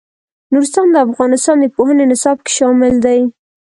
نورستان د افغانستان د پوهنې نصاب کې شامل دي.